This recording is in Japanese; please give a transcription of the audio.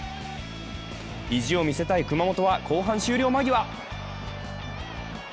意地を見せたい熊本は後半終了間際。